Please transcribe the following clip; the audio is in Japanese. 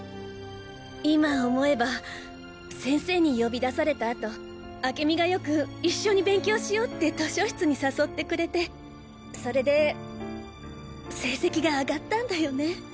今思えば先生に呼び出されたあと明美がよく一緒に勉強しよって図書室に誘ってくれてそれで成績が上がったんだよね。